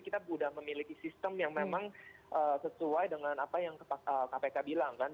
kita sudah memiliki sistem yang memang sesuai dengan apa yang kpk bilang kan